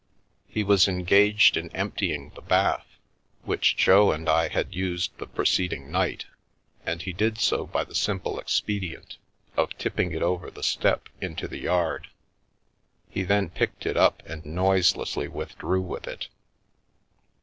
He was engaged in empty ing the bath, which Jo and I had used the preceding night, and he did so by the simple expedient of tipping it over the step into the yard. He then picked it up and noiselessly withdrew with it.